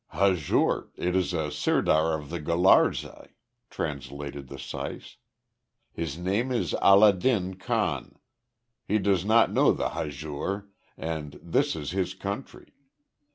"Hazur, it is a sirdar of the Gularzai," translated the syce, "His name Allah din Khan. He does not know the Hazur, and this is his country.